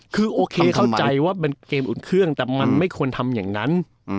คือโอเคเข้าใจว่าเป็นเกมอุ่นเครื่องแต่มันไม่ควรทำอย่างนั้น